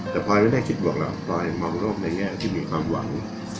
แต่ปอยไม่ได้คิดบวกหรอกปลอยมองโลกในแง่ที่มีความหวัง